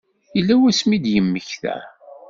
Yella wasmi i d-yemmekta?